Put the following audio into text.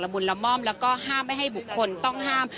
บุญละม่อมแล้วก็ห้ามไม่ให้บุคคลต้องห้าม